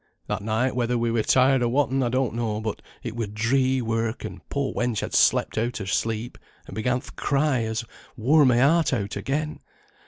That night, whether we were tired or whatten, I don't know, but it were dree work, and poor wench had slept out her sleep, and began th' cry as wore my heart out again.